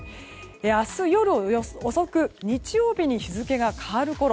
明日夜遅く日曜日に日付が変わるころ